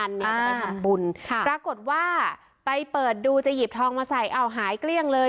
อันนี้จะไปทำบุญค่ะปรากฏว่าไปเปิดดูจะหยิบทองมาใส่เอาหายเกลี้ยงเลย